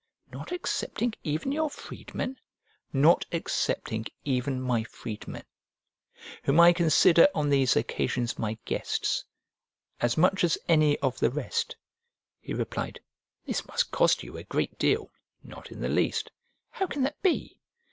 "Not excepting even your freedmen?" "Not excepting even my freedmen, whom I consider on these occasions my guests, as much as any of the rest." He replied, "This must cost you a great deal." "Not in the least." "How can that be?"